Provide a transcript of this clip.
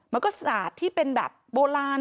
มันก็ศาสตร์ที่เป็นแบบโบราณ